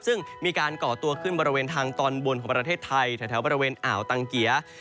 ซึ่งมีการก่อตัวขึ้นบริเวณทางตอนบนของประเทศไทยแถวบริเวณอ่าวตังเกีย